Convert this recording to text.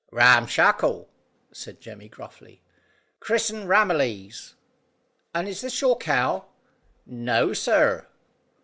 "Ram Shackle," said Jemmy gruffly. "Christen Rammylees!" "And is this your cow?" "No, sir!"